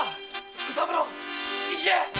卯三郎行け！